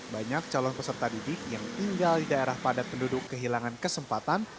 banyak calon peserta didik yang tinggal di daerah padat penduduk kehilangan kesempatan